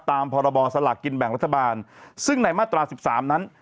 พรบสลากกินแบ่งรัฐบาลซึ่งในมาตรา๑๓นั้น